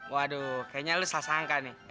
waduh kayaknya lu salah sangka nih